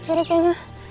yang sebelah kiri kayaknya